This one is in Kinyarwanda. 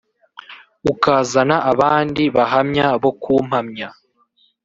ukazana abandi bahamya bo kumpamya,